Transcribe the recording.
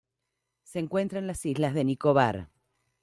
Se encuentra en las islas de Nicobar.